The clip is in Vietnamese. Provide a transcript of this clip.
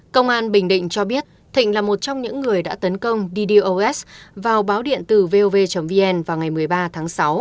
công an bình định cho biết thịnh là một trong những người đã tấn công ddos vào báo điện tử vov vn vào ngày một mươi ba tháng sáu